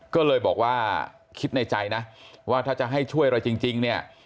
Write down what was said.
ก็เลยบอกว่าคิดในใจนะว่าถ้าจะให้ช่วยอะไรจริงเนี่ย